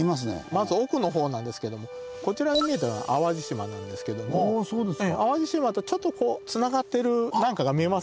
まず奥の方なんですけどもこちらに見えてるのは淡路島なんですけども淡路島とちょっとこうつながってる何かが見えます？